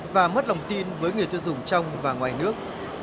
và mất lòng tin với người tuyên dụng trong và ngoài nước